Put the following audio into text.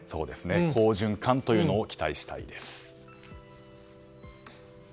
好循環というのを期待したいです。